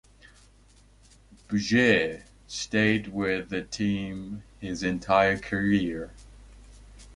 Boogerd stayed with the team his entire career.